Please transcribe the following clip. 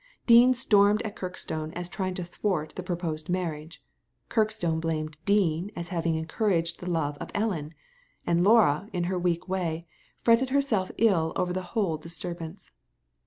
Dean stormed at Kirkstone as trying to thwart the pro posed marriage ; Kirkstone blamed Dean as having encouraged the love of Ellen ; and Laura, in her weak way, fretted herself ill over the whole dis turbance.